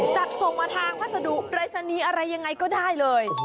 จัดส่งมาทางพัสดุปรายศนีย์อะไรยังไงก็ได้เลย